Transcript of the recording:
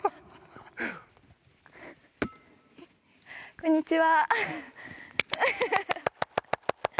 こんにちは。